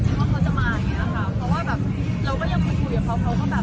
คือนันเนี้ยจะไม่อยู่เชียมพร้อมด้วยก่อนแต่คนเดียวพร้อมไปงานแล้วอะ